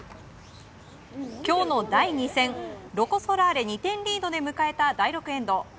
今日の第２戦ロコ・ソラーレ２点リードで迎えた第６エンド。